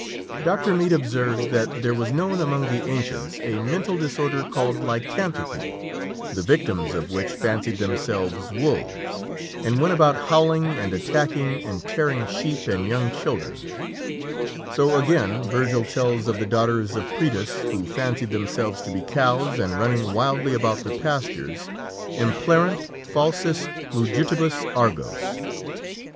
Dr. Mead (Medica Sacra, p. 59) observes that there was known among the ancients a mental disorder called lycanthropy, the victims of which fancied themselves wolves, and went about howling and attacking and tearing sheep and young children (Aetius, Lib. Med. vi., Paul Ægineta, iii. 16). So, again, Virgil tells of the daughters of Prætus, who fancied themselves to be cows, and running wildly about the pastures, "implêrunt falsis mugitibus agros."